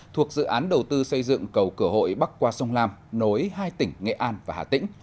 thuộc dự án đầu tư xây dựng cầu cửa hội bắc qua sông lam nối hai tỉnh nghệ an và hà tĩnh